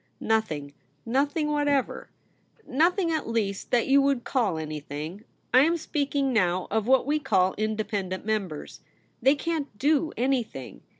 ' Nothing ; nothing whatever. Nothing, at least, that you would call anything. I am speaking now of what we call independent members. They can't do anything.